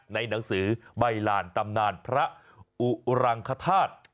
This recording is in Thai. ในหนังสือใบลานตำนานพระอุรังคธาตุ